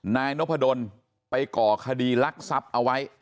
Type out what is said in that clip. นายนพดลไปก่อคดีลักทรัพย์เอาไว้